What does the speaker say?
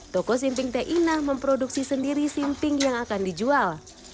toko simping teh inah memproduksi sendiri simping yang akan dijual